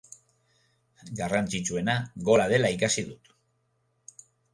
Garrantzitsuena gola dela ikasi dut.